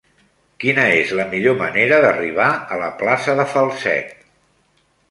Quina és la millor manera d'arribar a la plaça de Falset?